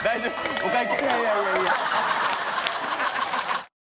お会計。